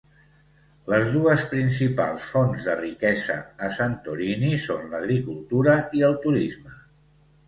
Les dues principals fonts de riquesa a Santorini són l'agricultura i el turisme.